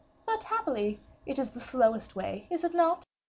"But, happily, it is the slowest way, is it not?"